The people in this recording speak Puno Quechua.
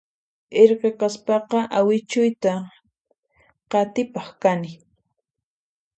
Irqi kaspaqa awichuyta qatipaq kani